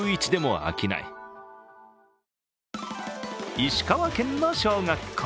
石川県の小学校。